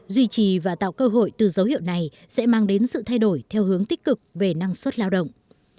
duy trì và tạo cơ hội từ dấu hiệu này sẽ mang đến sự thay đổi theo hướng tích cực về năng suất lao động